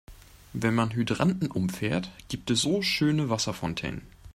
Wenn man Hydranten umfährt, gibt es so schöne Wasserfontänen.